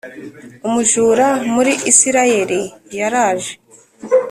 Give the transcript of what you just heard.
umujura muri isirayeli yaraje